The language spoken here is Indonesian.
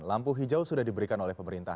lampu hijau sudah diberikan oleh pemerintah